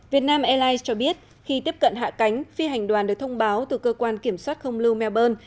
việt nam airlines cho biết khi tiếp cận hạ cánh phi hành đoàn được thông báo từ cơ quan kiểm soát không lưu melbourne